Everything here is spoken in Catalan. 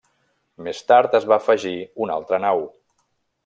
Més tard, es va afegir una altra nau.